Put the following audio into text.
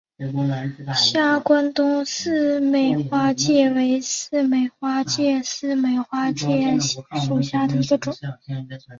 下关东似美花介为似美花介科似美花介属下的一个种。